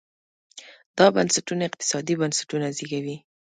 دا بنسټونه اقتصادي بنسټونه زېږوي.